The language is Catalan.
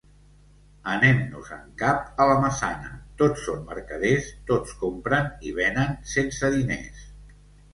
Anem-nos-en cap a la Massana, tots són mercaders, tots compren i venen sense diners.